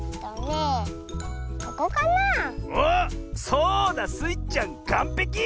そうだスイちゃんかんぺき！